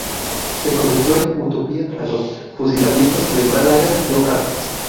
Se convirtió en "utópica" tras los fusilamientos de Málaga, no antes.